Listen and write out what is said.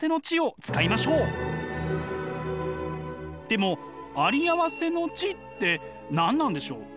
でもあり合わせの知って何なんでしょう？